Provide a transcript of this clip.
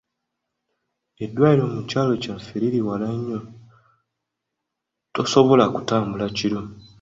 Eddwaliro mu kyalo kyaffe liri wala nnyo, tosobola kutambula kiro.